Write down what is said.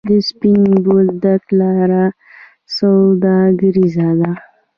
د سپین بولدک لاره سوداګریزه ده